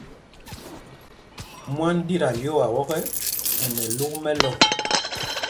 Mwân ɗi ta lyoowaa ɔkɛ́, ɛ nɛ luk mɛlɔ̂.